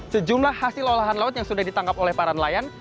sejumlah hasil olahan laut yang sudah ditangkap oleh para nelayan